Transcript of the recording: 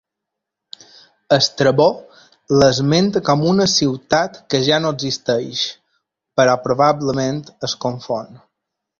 Estrabó l'esmenta com una ciutat que ja no existeix però probablement es confon.